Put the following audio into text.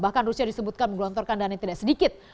bahkan rusia disebutkan menggelontorkan dana yang tidak sedikit